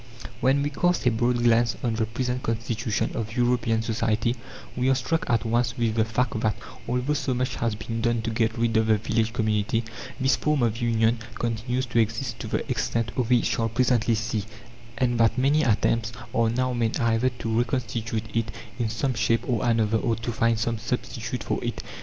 When we cast a broad glance on the present constitution of European society we are struck at once with the fact that, although so much has been done to get rid of the village community, this form of union continues to exist to the extent we shall presently see, and that many attempts are now made either to reconstitute it in some shape or another or to find some substitute for it.